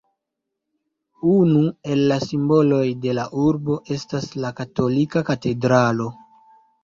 Unu el la simboloj de la urbo estas la katolika katedralo.